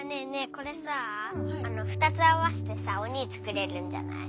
これさあ２つ合わせてさおにぃ作れるんじゃない？